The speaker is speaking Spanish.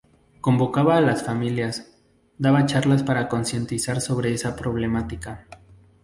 Convocaba a las familias, daba charlas para concientizar sobre esa problemática.